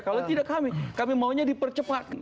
kalau tidak kami kami maunya dipercepat